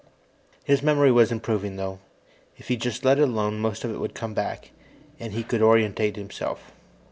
His memory was improving, though. If he just let it alone, most of it would come back, and he could orient himself.